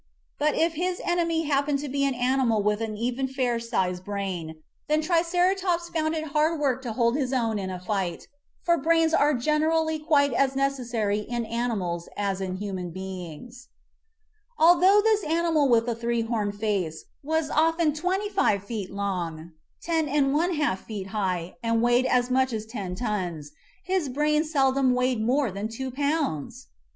But if his enemy happened to be an animal with even a fair sized brain, then Triceratops found it hard TRICERATOPS (Drawing from a Model by Charles Knight) work to hold his own in a fight, for brains are gener ally quite as necessary in animals as in human beings. Although this animal with the three horned face was often twenty five feet long, ten and one half feet 28 MIGHTY ANIMALS high, and weighed as much as ten tons, his brain seldom weighed more than two pounds